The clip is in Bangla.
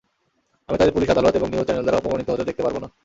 আমি তাদের পুলিশ, আদালত এবং নিউজ চ্যানেল দ্বারা অপমানিত হতে দেখতে পারব না।